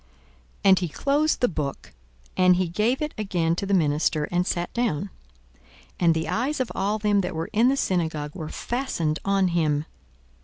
42:004:020 And he closed the book, and he gave it again to the minister, and sat down. And the eyes of all them that were in the synagogue were fastened on him.